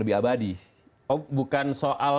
lebih abadi oh bukan soal